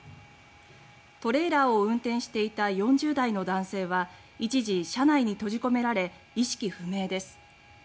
トレーラーを運転していた４０代の男性は一時、車内に閉じ込められ意識不明です。